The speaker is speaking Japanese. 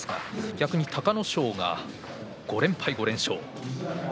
逆に隆の勝が５連敗から５連勝。